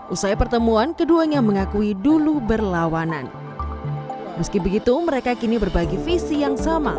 usai pertemuan keduanya mengakui dulu berlawanan meski begitu mereka kini berbagi visi yang sama